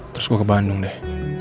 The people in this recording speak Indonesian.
terus gue ke bandung deh